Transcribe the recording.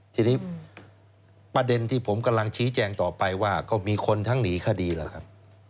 ทีนี้ประเด็นที่ผมกำลังชี้แจงต่อไปว่าก็มีคนทั้งหนีคดีแล้วครับ